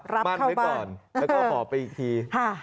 รับเข้าบ้านแล้วก็ห่อไปอีกที